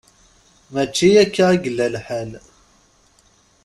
Mačči akka i yella lḥal?